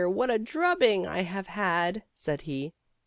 what a drubbing I have had," said he.